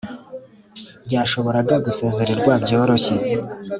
byashoboraga gusezererwa byoroshye;